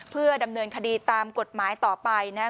เพื่อดำเนินคดีตามกฎหมายต่อไปนะครับ